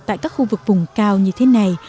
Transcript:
tại các khu vực vùng cao như thế này